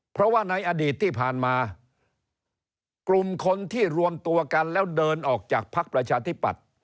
เพราะว่าในอดีตที่ผ่านมากลุ่มคนที่รวมตัวกันแล้วเดินออกจากพักประชาธิปัตย์